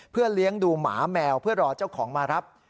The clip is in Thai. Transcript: เพื่อเลี้ยงดูหมาแมวเพื่อรอเจ้าของมารับ